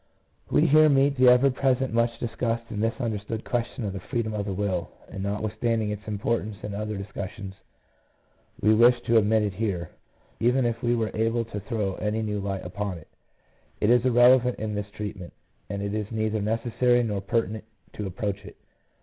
We here meet the ever present, much discussed, and misunderstood question of " freedom of the will," and notwithstanding its importance in other dis cussions, we wish to omit it here, even if we were able to throw any new light upon it. It is irrevelant in this treatment, and it is neither necessary nor pertinent to approach it.